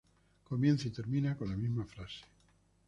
Comienza y termina con la misma frase.